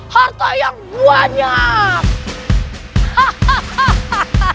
harta yang banyak